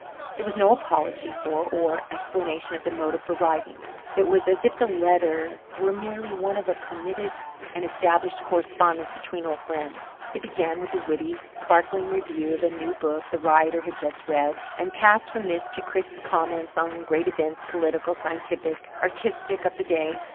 There was no apology for or explanation of the motive for writing. It was as if the letter were merely one of a permitted and established correspondence between old friends. It began with a witty, sparkling review of a new book the writer had just read, and passed from this to crisp comments on the great events, political, scientific, artistic, of the day.